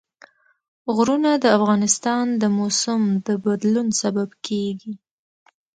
غرونه د افغانستان د موسم د بدلون سبب کېږي.